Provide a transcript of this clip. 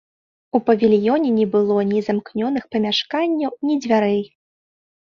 У павільёне не было ні замкнёных памяшканняў, ні дзвярэй.